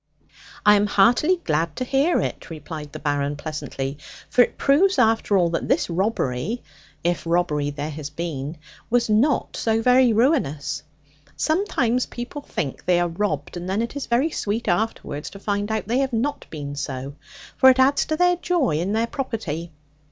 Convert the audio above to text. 'I am heartily glad to hear it,' replied the Baron pleasantly; 'for it proves after all that this robbery (if robbery there has been) was not so very ruinous. Sometimes people think they are robbed, and then it is very sweet afterwards to find that they have not been so; for it adds to their joy in their property.